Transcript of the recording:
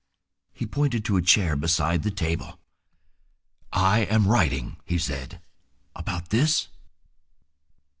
He pointed to a chair beside the table. "I am writing," he said. "About this?"